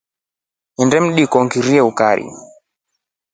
Nnde mtriko ngirie ukari.